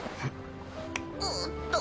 おっと。